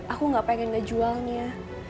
aku gak pengen ngejualnya